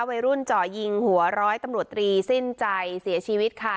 วัยรุ่นเจาะยิงหัวร้อยตำรวจตรีสิ้นใจเสียชีวิตค่ะ